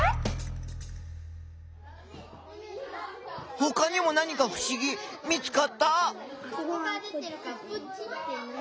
ほかにも何かふしぎ見つかった？